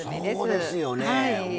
そうですよね。